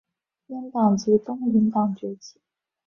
阉党及东林党崛起。